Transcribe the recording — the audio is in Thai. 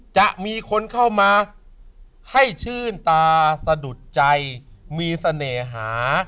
จะมีคนเข้ามาให้ชื่นตาสะดุดใจมีเสน่หา